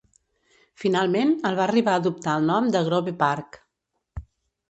Finalment, el barri va adoptar el nom de Grove Park.